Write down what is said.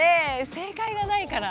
正解がないから。